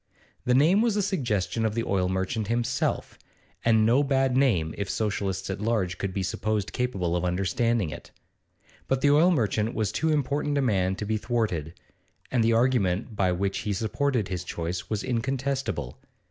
The name was a suggestion of the oil merchant himself, and no bad name if Socialists at large could be supposed capable of understanding it; but the oil merchant was too important a man to be thwarted, and the argument by which he supported his choice was incontestable.